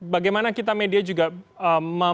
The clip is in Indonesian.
bagaimana kita media juga